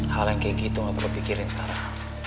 hal yang kayak gitu gak perlu pikirin sekarang